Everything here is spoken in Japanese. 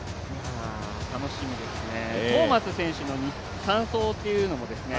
楽しみですねトーマス選手の３走っていうのもですね